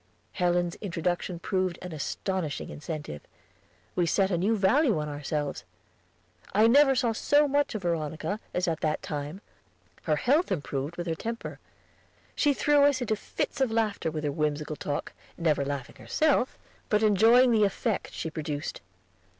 Helen's introduction proved an astonishing incentive; we set a new value on ourselves. I never saw so much of Veronica as at that time; her health improved with her temper. She threw us into fits of laughter with her whimsical talk, never laughing herself, but enjoying the effect she produced.